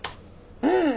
うん。